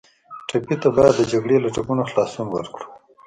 ټپي ته باید د جګړې له ټپونو خلاصون ورکړو.